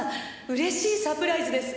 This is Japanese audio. うれしいサプライズです。